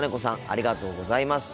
ありがとうございます。